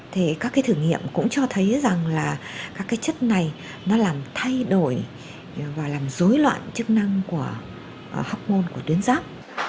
thì các cái thử nghiệm cũng cho thấy rằng là các cái chất này nó làm thay đổi và làm dối loạn chức năng của học ngôn của tuyến ráp